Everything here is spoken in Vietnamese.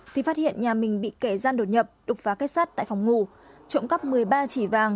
thì phát hiện nhà mình bị kẻ gian đột nhập đục phá kết sắt tại phòng ngủ trộm cắp một mươi ba chỉ vàng